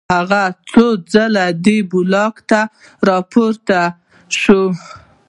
هغه څو ځله دې بلاک ته راپورته شو